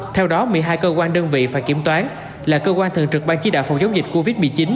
theo đó một mươi hai cơ quan đơn vị phải kiểm toán là cơ quan thường trực ban chỉ đạo phòng chống dịch covid một mươi chín